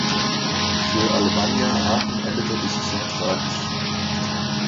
Für Alemannia Aachen endete die Saison tragisch.